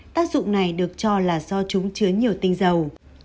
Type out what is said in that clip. tác dụng này được cho là do chúng chứa nhiều tinh dầu